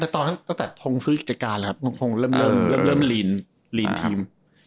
ตอนนั้นตั้งแต่ทรงศึกศักราชนะครับทรงเริ่มเรียนทีม